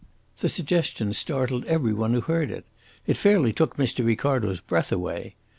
The suggestion startled every one who heard it. It fairly took Mr. Ricardo's breath away.